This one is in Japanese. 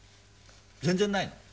全然ないの？